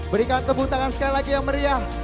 berikan tepuk tangan sekali lagi yang meriah